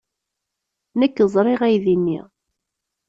Nekk ẓriɣ aydi-nni.